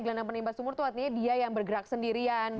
gelendang penembak sumur itu artinya dia yang bergerak sendirian